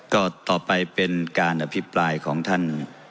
ก็ต่อไปเป็นการอภิปรายของท่าน